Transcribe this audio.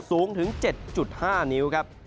สูงถึง๗๕นิ้วครับ